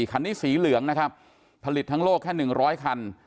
คันนี้สีเหลืองนะครับผลิตทั้งโลกแค่๑๐๐คัน